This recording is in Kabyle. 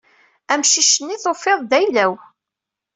Amcic-nni i tufiḍ d ayla-w.